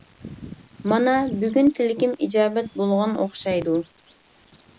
مانا بۈگۈن تىلىكىم ئىجابەت بولغان ئوخشايدۇ.